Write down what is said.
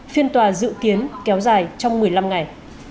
phiên tòa dự kiến kéo dài trong một mươi năm ngày